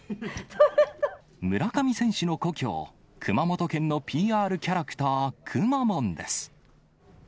村上選手の故郷、熊本県のＰＲキャラクター、くまモンです。